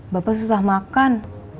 bapak susah makan